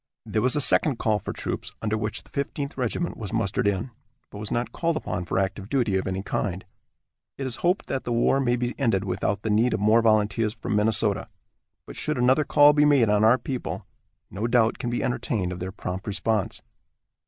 There was a second call for troops, under which the Fifteenth Regiment was mustered in, but was not called upon for active duty of any kind. It is to be hoped that the war may be ended without the need of more volunteers from Minnesota, but should another call be made on our people no doubt can be entertained of their prompt response.